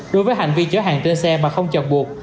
đối với hành vi chở hàng trên xe mà không chọn buộc